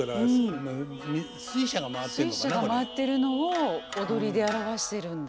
水車が回ってるのを踊りで表してるんだ。